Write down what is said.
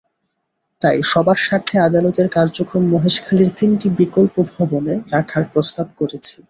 তাই সবার স্বার্থে আদালতের কার্যক্রম মহেশখালীর তিনটি বিকল্প ভবনে রাখার প্রস্তাব করেছি।